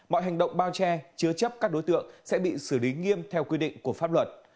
mọi hành động bao che chứa chấp các đối tượng sẽ bị xử lý nghiêm theo quy định của pháp luật